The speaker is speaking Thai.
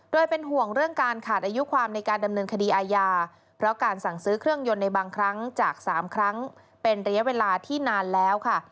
โดยเป็นห่วงเรื่องการขาดอายุความในการดำเนินคดีอาญาเพราะการสั่งซื้อเครื่องยนต์ในบางครั้งจาก๓ครั้งเป็นระยะเวลาที่นานแล้วค่ะ